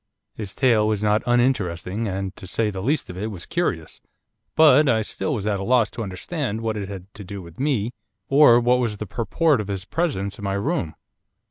His tale was not uninteresting, and, to say the least of it, was curious. But I still was at a loss to understand what it had to do with me, or what was the purport of his presence in my room.